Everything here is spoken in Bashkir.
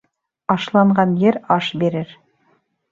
Ашланған ер аш бирер.